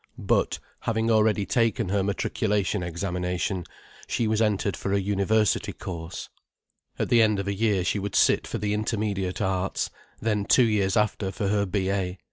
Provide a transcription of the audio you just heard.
But, having already taken her matriculation examination, she was entered for a university course. At the end of a year she would sit for the Intermediate Arts, then two years after for her B.A.